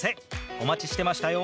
お待ちしてましたよ。